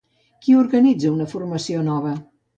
Qui organitza una formació nova?